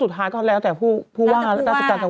สุดท้ายก็แล้วแต่ผู้ว่าแล้วต้องการสวรรค์